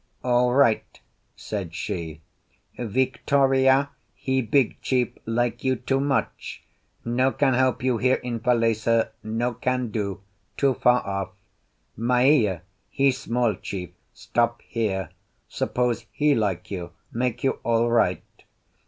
"All right," said she. "Victoreea he big chief, like you too much. No can help you here in Falesá; no can do—too far off. Maea he small chief—stop here. Suppose he like you—make you all right.